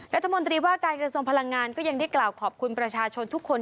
รัฐมนตรีว่าการกระทรวงพลังงานก็ยังได้กล่าวขอบคุณประชาชนทุกคน